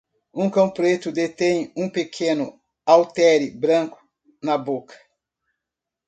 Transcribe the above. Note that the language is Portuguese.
Um cão preto detém um pequeno haltere branco na boca.